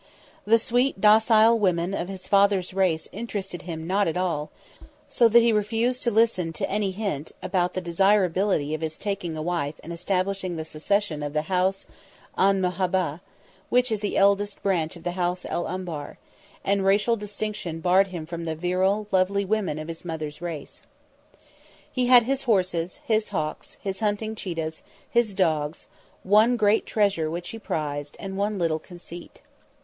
The sweet, docile woman of his father's race interested him not at all, so that he refused to listen to any hint anent the desirability of his taking a wife and establishing the succession of the House 'an Mahabbha, which is the eldest branch of the House el Umbar; and racial distinction barred him from the virile, lovely women of his mother's race. He had his horses, his hawks, his hunting cheetahs, his dogs; one great treasure which he prized and one little conceit.